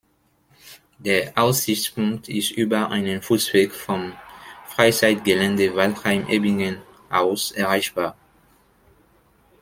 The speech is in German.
Der Aussichtspunkt ist über einen Fußweg vom Freizeitgelände Waldheim Ebingen aus erreichbar.